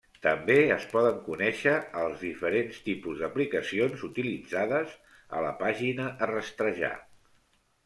També es poden conèixer el diferent tipus d'aplicacions utilitzades a la pàgina a rastrejar.